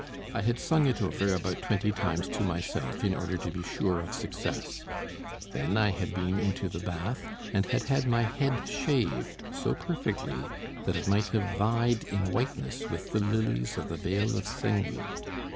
I had sung it over about twenty times to myself, in order to be sure of success. Then I had been into the bath, and had had my head shaved so perfectly that it might have vied in whiteness with the lilies of the vale of Senghi.